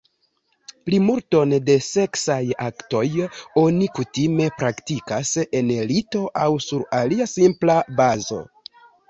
Plimulton de seksaj aktoj oni kutime praktikas en lito aŭ sur alia simpla bazo.